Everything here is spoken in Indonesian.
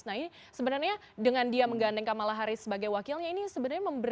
nah ini sebenarnya dengan dia menggandeng kamala harris sebagai wakilnya ini sebenarnya memberikan